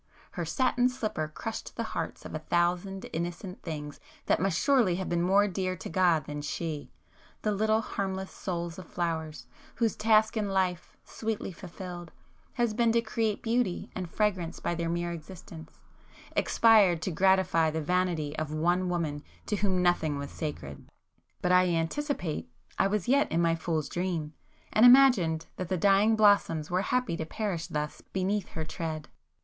Her satin slipper crushed the hearts of a thousand innocent things that must surely have been more dear to God than she;—the little harmless souls of flowers, whose task in life, sweetly fulfilled, had been to create beauty and fragrance by their mere existence, expired to gratify the vanity of one woman to whom nothing was sacred. But I anticipate,—I was yet in my fool's dream,—and imagined that the dying blossoms were happy to perish thus beneath her tread!